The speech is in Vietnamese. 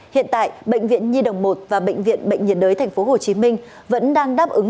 hiện tại bệnh viện nhi đồng một và bệnh viện bệnh nhiệt đới thành phố hồ chí minh vẫn đang đáp ứng